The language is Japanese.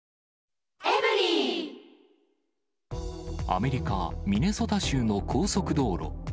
アメリカ・ミネソタ州の高速道路。